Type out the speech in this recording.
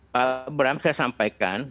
pak bram saya sampaikan